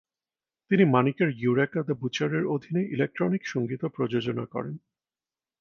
তিনি মানিকের Eureka the বুচারের অধীনে ইলেকট্রনিক সঙ্গীতও প্রযোজনা করেন।